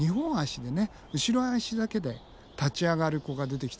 後ろ足だけで立ち上がる子が出てきたのね。